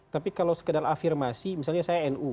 tapi kalau sekedar afirmasi misalnya saya nu